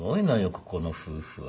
ここの夫婦は。